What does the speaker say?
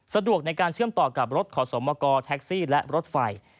สะดวกในการเชื่อมต่อกับรถขอสมกแท็กซี่และรถไฟ